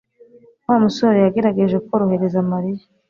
Wa musore yagerageje korohereza Mariya.